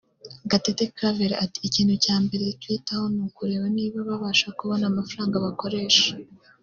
Gatete Claver ati “Ikintu cya mbere twitaho ni ukureba niba babasha kubona amafaranga bakoresha